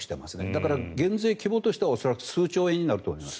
だから、減税規模としては恐らく数兆円になると思います。